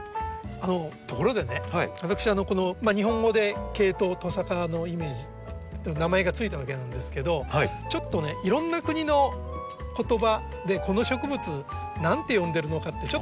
ところでね私日本語で「ケイトウ」トサカのイメージって名前が付いたわけなんですけどちょっとねいろんな国の言葉でこの植物何て呼んでるのかってちょっと調べてみたんです。